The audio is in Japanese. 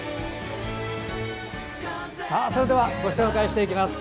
それではご紹介していきます。